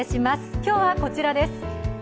今日はこちらです。